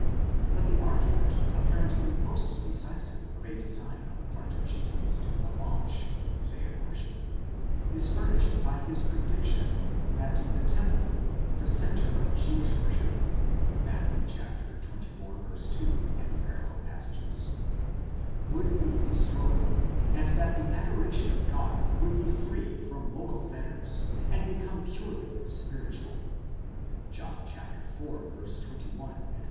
But the argument apparently most decisive of a design on the part of Jesus to abolish the Mosaic worship, is furnished by his prediction that the temple, the centre of jewish worship (Matt. xxiv. 2 parall.), would be destroyed, and that the adoration of God would be freed from local fetters, and become purely spiritual (John iv. 21 ff.).